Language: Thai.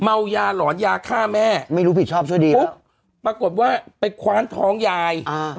เมายาหลอนยาฆ่าแม่ไม่รู้ผิดชอบซะดีปุ๊บปรากฏว่าไปคว้านท้องยายอ่า